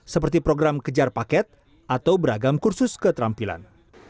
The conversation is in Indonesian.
seperti program kejar paket atau beragam kursus keterampilan